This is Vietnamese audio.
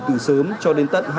từ sáng đến tối muộn